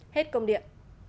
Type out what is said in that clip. hết công điện